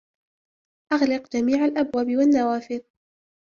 اغلق جميع الأبواب والنوافذ.